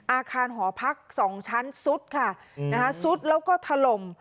อาคารหอพัก๒ชั้นซุดค่ะซุดแล้วก็ถล่ม